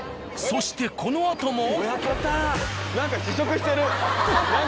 そしてこのあとも。